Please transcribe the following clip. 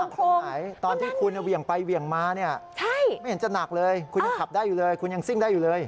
ก็นั่นเห็นโครงนั่นอย่างนี้ใช่คุณยังขับได้อยู่เลยคุณยังซิ่งได้อยู่เลย